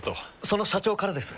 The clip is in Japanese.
その社長からです。